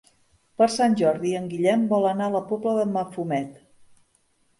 Per Sant Jordi en Guillem vol anar a la Pobla de Mafumet.